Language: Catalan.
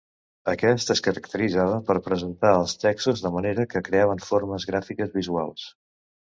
Aquest es caracteritzava per presentar els textos de manera que creaven formes gràfiques visuals.